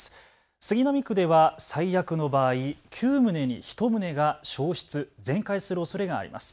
杉並区では最悪の場合、９棟に１棟が焼失・全壊するおそれがあります。